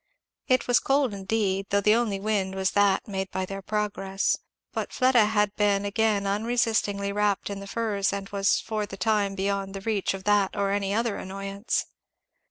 It was cold indeed, though the only wind was that made by their progress; but Fleda had been again unresistingly wrapped in the furs and was for the time beyond the reach of that or any other annoyance.